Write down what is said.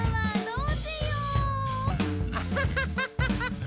どうしよう？